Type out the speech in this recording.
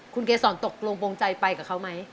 คุณเกษรตกลงโปรงใจไปกับเขาไหม